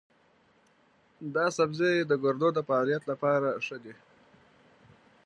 دا سبزی د ګردو د فعالیت لپاره ښه دی.